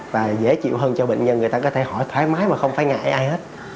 và dễ chịu hơn cho bệnh nhân người ta có thể hỏi thoải mái mà không phải ngại ai hết